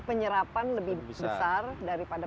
penyerapan lebih besar daripada